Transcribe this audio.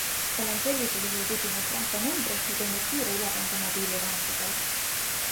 Olen sellisel juhul küsinud konto numbri ja teinud kiire ülekande mobiili vahendusel.